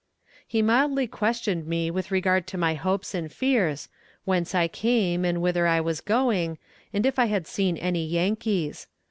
He mildly questioned me with regard to my hopes and fears, whence I came and whither I was going, and if I had seen any Yankees.